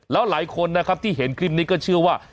แล้วหลายคนนะครับที่เห็นคลิปนี้ก็เชื่อว่า